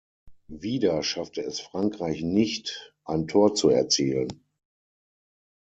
Wieder schaffte es Frankreich nicht, ein Tor zu erzielen.